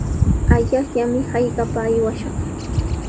Allaqllami hallqapa aywashaq.